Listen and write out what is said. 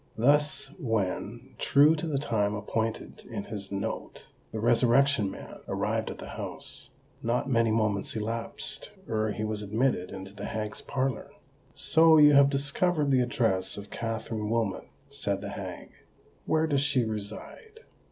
Thus, when, true to the time appointed in his note, the Resurrection Man arrived at the house, not many moments elapsed ere he was admitted into the hag's parlour. "So you have discovered the address of Katherine Wilmot," said the hag. "Where does she reside?"